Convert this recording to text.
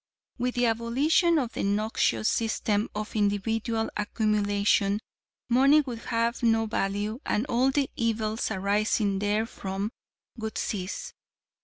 "With the abolition of the noxious system of individual accumulation, money would have no value and all the evils arising therefrom would cease.